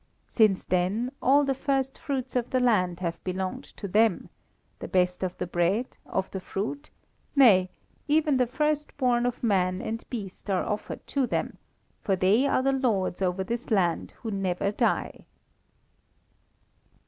Since then, all the first fruits of the land have belonged to them, the best of the bread, of the fruit, nay, even the first born of man and beast are offered to them, for they are the Lords over this land who never die."